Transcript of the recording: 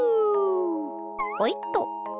ほいっと！